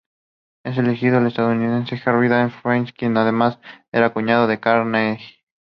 El elegido fue el estadounidense Henry D. Whitfield, quien además era cuñado de Carnegie.